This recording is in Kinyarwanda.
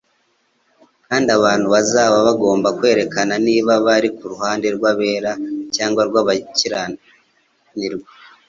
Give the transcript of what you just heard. kandi abantu bazaba bagomba kwerekana niba bari ku ruhande rw'abera cyangwa rw'abakiranirwa.